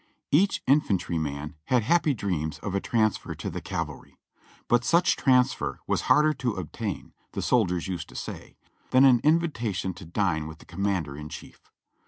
Each infantryman had happy dreams of a transfer to the cav alry ; but such transfer was harder to obtain, the soldiers used to say, than an invitation to dine with the commander in chief.